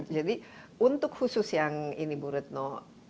jadi untuk khusus yang ini bu retno